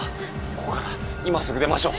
ここから今すぐ出ましょう。